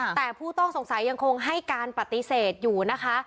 แต่ผู้ต้องสงสัยยังคงให้การปฏิเสธอยู่นะคะ